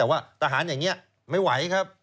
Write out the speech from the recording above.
ว่าทหารอย่างเนี่ยไม่ไหวครับ